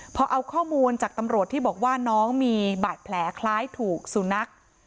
พอเอาข้อมูลจากตำรวจที่บอกว่าน้องมีบาดแผลคล้ายถูกสุนัข